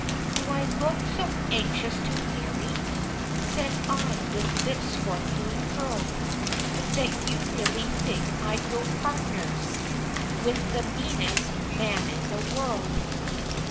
"Do I look so anxious to marry?" Said I, with lips scornfully curled, "That you really think I'd go partners With the meanest man in the world?